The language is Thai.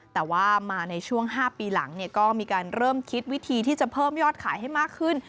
แต่ว่ามาในช่วง๕ปีหลังก็มีการเริ่มคิดวิธีที่จะเพิ่มยอดขายให้มากขึ้น